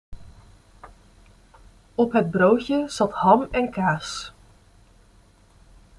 Op het broodje zat ham en kaas.